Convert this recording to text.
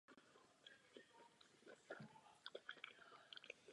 Písemný tisk je zde velmi rozmanitý.